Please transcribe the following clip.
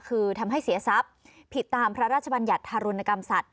คือทำให้เสียทรัพย์ผิดตามพระราชบัญญัติธารุณกรรมสัตว